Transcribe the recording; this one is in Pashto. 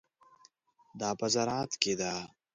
دا په زراعت کې ده.